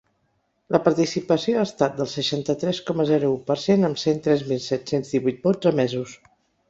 La participació ha estat del seixanta-tres coma zero u per cent, amb cent tres mil set-cents divuit vots emesos.